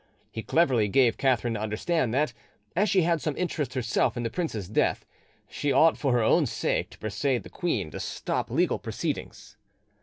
He cleverly gave Catherine to understand that, as she had some interest herself in the prince's death, she ought for her own sake to persuade the queen to stop legal proceedings.